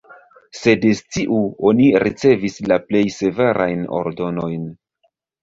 Sed sciu, oni ricevis la plej severajn ordonojn.